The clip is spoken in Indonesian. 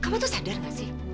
kamu tuh sadar gak sih